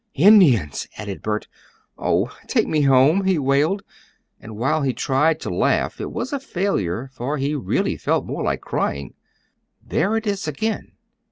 "Indians!" added Bert. "Oh, take me home!" he wailed, and while he tried to laugh, it was a failure, for he really felt more like crying. "There it is again.